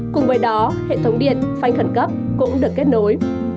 cùng với đó hệ thống điện phanh khẩn cấp cũng được kết nối với ô tô qua hệ thống móc kéo